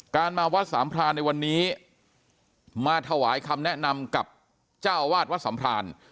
มาวัดสามพรานในวันนี้มาถวายคำแนะนำกับเจ้าวาดวัดสัมพราน